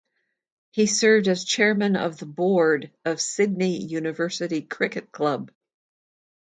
He served as chairman of the board of the Sydney University Cricket Club.